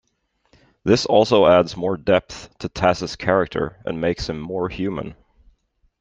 This also adds more depth to Tas's character and makes him more human.